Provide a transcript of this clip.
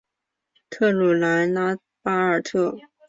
特鲁莱拉巴尔特。